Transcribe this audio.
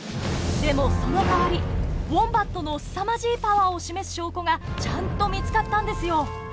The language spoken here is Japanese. でもその代わりウォンバットのすさまじいパワーを示す証拠がちゃんと見つかったんですよ。